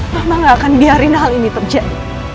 mama gak akan biarin hal ini terjadi